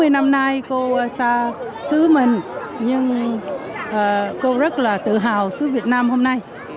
bốn mươi năm nay cô xa xứ mình nhưng cô rất là tự hào xứ việt nam hôm nay